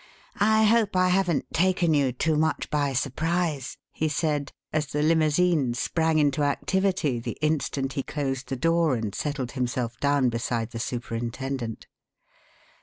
I hope I haven't taken you too much by surprise," he said, as the limousine sprang into activity the instant he closed the door, and settled himself down beside the superintendent.